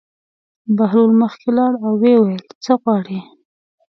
بهلول مخکې لاړ او ویې ویل: څه غواړې.